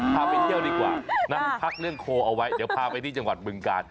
พาไปเที่ยวดีกว่านะพักเรื่องโคเอาไว้เดี๋ยวพาไปที่จังหวัดบึงกาล